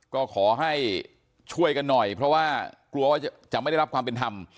ก็ขอให้ช่วยกันหน่อยเพราะว่ากลัวว่าจะไม่ได้รับความเป็นธรรม